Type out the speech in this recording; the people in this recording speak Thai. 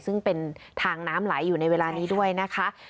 ซึ่งเป็นทางน้ำไหลอยู่ในเวลานี้ด้วยนะคะ